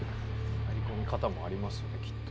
入り込み方もありますよねきっと。